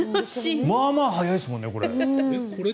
まあまあ速いですもんね、これ。